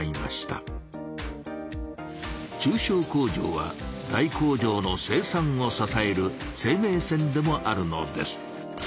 中小工場は大工場の生産をささえる生命線でもあるのです。